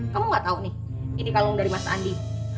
kamu nggak tahu nih ini kalung dari mas andi